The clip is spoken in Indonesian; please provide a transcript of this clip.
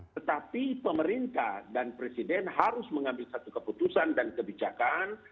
tetapi pemerintah dan presiden harus mengambil satu keputusan dan kebijakan